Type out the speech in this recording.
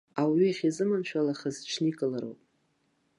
Ауаҩы иахьизыманшәалахаз иҽникылароуп.